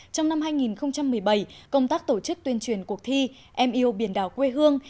trong năm hai nghìn một mươi bảy công tác tổ chức tuyên truyền cuộc thi em yêu biển đảo quê hương